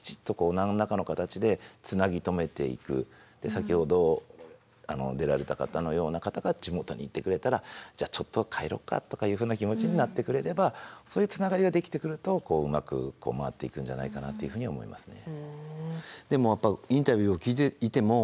先ほど出られた方のような方が地元にいてくれたらじゃあちょっと帰ろうかとかいうふうな気持ちになってくれればそういうつながりができてくるとうまく回っていくんじゃないかなっていうふうに思いますね。